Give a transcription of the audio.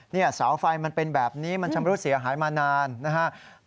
เสาไฟมันเป็นแบบนี้มันชำรุดเสียหายมานานนะครับ